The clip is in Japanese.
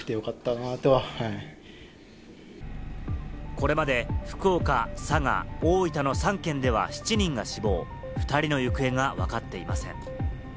これまで福岡、佐賀、大分の３県では７人が死亡、２人の行方がわかっていません。